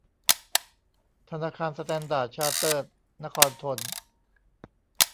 ธนาคารสแตนดาร์ดชาร์เตอร์ดนครธน